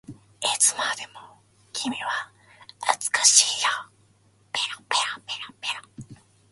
いつまでも君は美しいよ